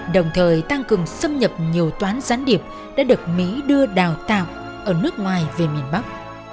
đồng thời tăng cường xâm nhập nhiều toán gián điệp đã được mỹ đưa đào tạo ở nước ngoài về miền bắc